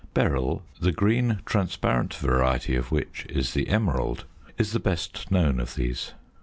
Beryl, the green transparent variety of which is the emerald, is the best known of these.